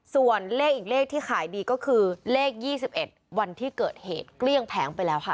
ส่วนเลขอีกเลขที่ขายดีก็คือเลข๒๑วันที่เกิดเหตุเกลี้ยงแผงไปแล้วค่ะ